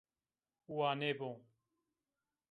Wa nêbo